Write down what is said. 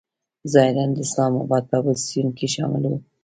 ظاهراً د اسلام آباد په اپوزیسیون کې شامل و.